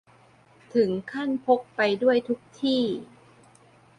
ถึงขั้นพกไปด้วยทุกที่